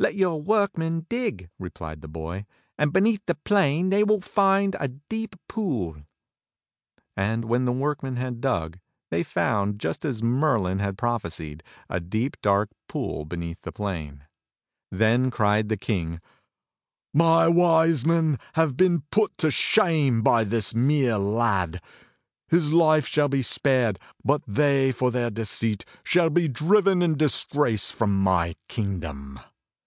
"Let your workmen dig," replied the boy, "and beneath the plain they will find a deep pooh" And when the workmen had dug, they found, just as Merlin had prophesied — a deep, dark pool beneath the plain. Then cried the King: "My Wise Men have been put to shame by this mere lad. His life shall be spared; but they, for their deceit, shall be diiven in dis grace from my kingdom."